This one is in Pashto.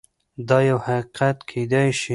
دا يو حقيقت کيدای شي.